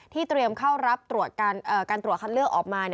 เตรียมเข้ารับการตรวจคัดเลือกออกมา